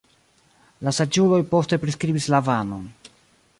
La saĝuloj poste priskribis Lavanon.